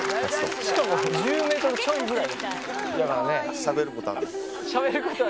しかも１０ｍちょいぐらい。